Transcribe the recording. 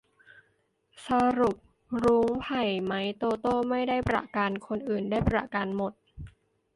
สรุป รุ้ง ไผ่ ไมค์ โตโต้ ไม่ได้ประกัน คนอื่นได้ประกันหมด